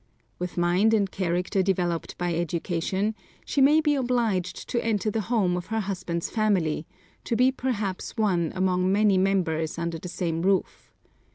With mind and character developed by education, she may be obliged to enter the home of her husband's family, to be perhaps one among many members under the same roof.